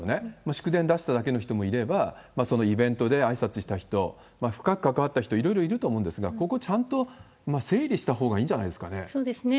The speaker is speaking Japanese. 祝電出しただけの人もいれば、そのイベントであいさつした人、深く関わった人、いろいろいると思うんですが、ここちゃんと整理したほうがいいんじゃないですかね。